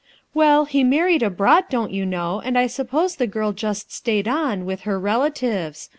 "Well, he married abroad, don't you know and I suppose the girl just stayed on, with her relatives.